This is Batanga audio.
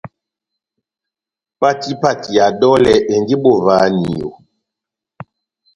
Pati pati ya dolɛ endi bovahaniyo.